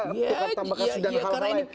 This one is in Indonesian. tukar tambah kasus dan hal lain